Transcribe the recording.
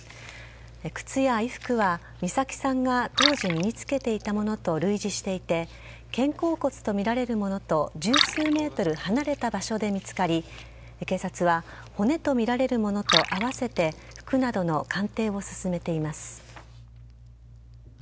靴や衣服は、美咲さんが当時見につけていたものと類似していて肩甲骨とみられるものと十数ｍ離れた場所で見つかり警察は骨とみられるものと合わせて服などの鑑定を進めています。